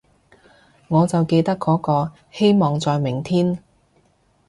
我就記得嗰個，希望在明天